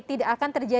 mengubah gambar dengan